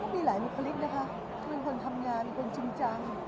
ก็มีหลายมุขฤทธิ์นะคะทุกคนทำงานเป็นจริงจัง